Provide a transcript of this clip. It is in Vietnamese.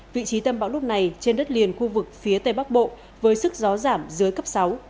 vị trí tâm bão lúc này trên đất liền khu vực phía tây bắc bộ với sức gió giảm dưới cấp sáu